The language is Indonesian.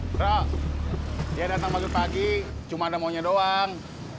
bro dia datang pagi pagi cuma ada maunya doang